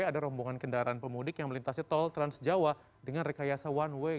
ada rombongan kendaraan pemudik yang melintasi tol transjawa dengan rekayasa one way